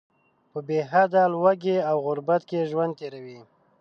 په بې حده ولږې او غربت کې ژوند تیروي.